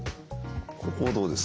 ここどうですか？